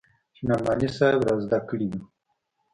چې نعماني صاحب رازده کړې وه.